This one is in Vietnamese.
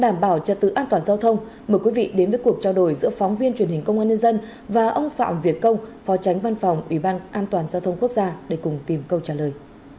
mời quý vị đến với cuộc trao đổi giữa phóng viên truyền hình công an nhân dân và ông phạm việt công phó tránh văn phòng ủy ban an toàn giao thông quốc gia để cùng tìm câu trả lời